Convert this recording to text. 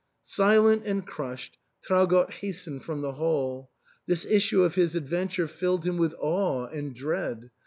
Silent and crushed, Traugott hastened from the HalL This issue of his adventure filled him with awe and dread.